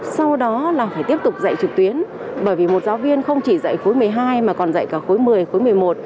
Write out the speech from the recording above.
sau đó là phải tiếp tục dạy trực tuyến bởi vì một giáo viên không chỉ dạy khối một mươi hai mà còn dạy cả khối một mươi khối một mươi một